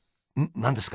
何ですか？